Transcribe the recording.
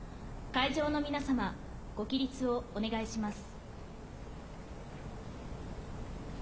会場の皆様ご起立をお願いします。